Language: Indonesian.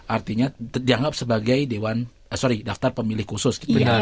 artinya dianggap sebagai daftar pemilih khusus